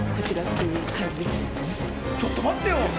ちょっと待ってよ！